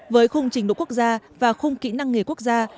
với khung trình độ quốc gia và khung kỹ năng nghề quốc gia